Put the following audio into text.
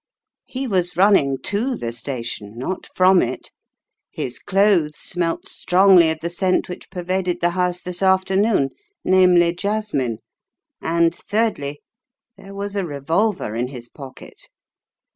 "He was running to the The House of Shadows 49 station not from it; his clothes smelt strongly of the scent which pervaded the house this afternoon, namely jasmine; and thirdly, there was a revolver in his pocket.